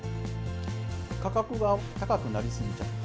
価格が高くなりすぎちゃって、